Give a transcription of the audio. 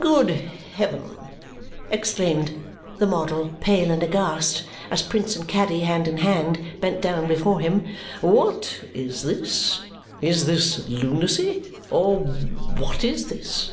"Good heaven!" exclaimed the model, pale and aghast as Prince and Caddy, hand in hand, bent down before him. "What is this? Is this lunacy! Or what is this?"